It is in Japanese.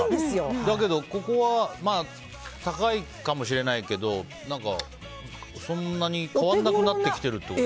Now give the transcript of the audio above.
だけどここは高いかもしれないけどそんなに変わらなくなってきてるってこと？